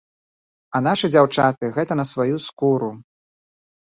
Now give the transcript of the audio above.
А нашы дзяўчаты гэта на сваю скуру!